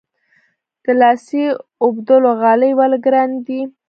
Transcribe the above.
د لاسي اوبدلو غالۍ ولې ګرانې دي؟